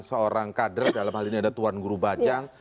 seorang kader dalam hal ini ada tuan guru bajang